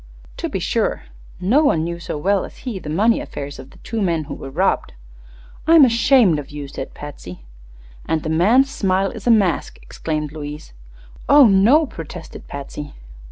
"To be sure. No one knew so well as he the money affairs of the two men who were robbed." "I'm ashamed of you," said Patsy. "And the man's smile is a mask!" exclaimed Louise. "Oh, no!" protested Patsy.